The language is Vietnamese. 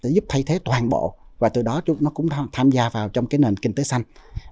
giúp thay thế toàn bộ và từ đó chúng nó cũng tham gia vào trong nền kinh tế xanh